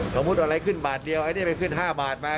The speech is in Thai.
สมมุติอะไรขึ้นบาทเดียวอันนี้ไปขึ้น๕บาทมา